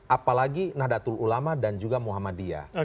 apalagi nahdlatul ulama dan juga muhammadiyah